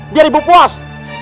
biar ibu puas